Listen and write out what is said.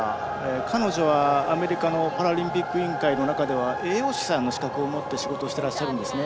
彼女はアメリカのパラリンピック委員会の中では栄養士さんの資格を持って仕事しているんですね。